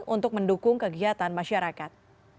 untuk mendukung kegiatan masyarakat